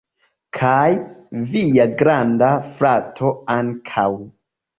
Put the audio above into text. Kaj via granda frato ankaŭ